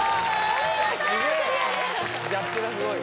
すげえギャップがすごい